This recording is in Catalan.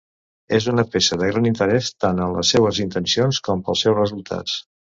És una peça de gran interès tant en les seues intencions com pels seus resultats.